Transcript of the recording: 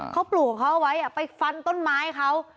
เขาปลูกเขาเอาไว้ไปฟันต้นไม้เขา